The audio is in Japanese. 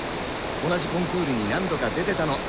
同じコンクールに何度か出てたの。